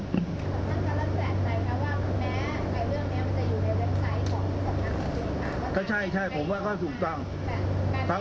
คุณพระเจ้าแล้วแสนใจว่าแม้เรื่องนี้มันจะอยู่ในเว็บไซต์ของที่สำนักประชุมค่ะ